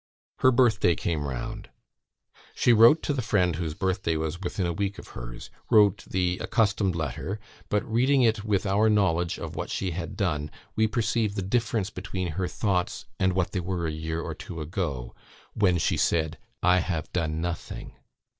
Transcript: Her birthday came round. She wrote to the friend whose birthday was within a week of hers; wrote the accustomed letter; but, reading it with our knowledge of what she had done, we perceive the difference between her thoughts and what they were a year or two ago, when she said "I have done nothing."